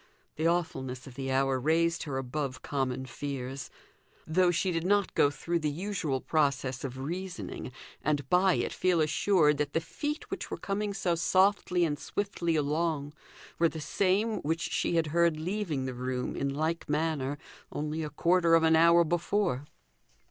The awfulness of the hour raised her above common fears; though she did not go through the usual process of reasoning, and by it feel assured that the feet which were coming so softly and swiftly along were the same which she had heard leaving the room in like manner only a quarter of an hour before.